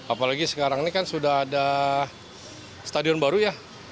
apalagi sekarang ini kan sudah ada stadion baru ya